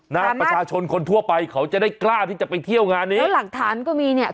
นะประชาชนคนทั่วไปเขาจะได้กล้าที่จะไปเที่ยวงานนี้แล้วหลักฐานก็มีเนี่ย